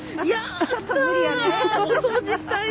いや。